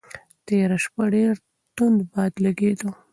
تېره شپه ډېر توند باد لګېده.